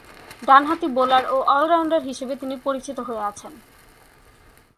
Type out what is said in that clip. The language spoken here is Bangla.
ডানহাতি বোলার ও অল-রাউন্ডার হিসেবে তিনি পরিচিত হয়ে আছেন।